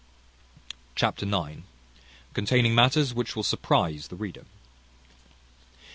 Chapter ix. Containing matters which will surprize the reader.